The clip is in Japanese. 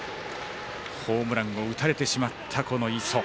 ホームランを打たれてしまった磯。